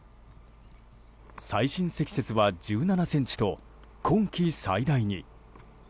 最深積雪は１７ｃｍと今季最大に。